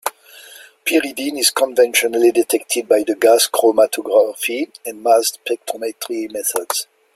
Pyridine is conventionally detected by the gas chromatography and mass spectrometry methods.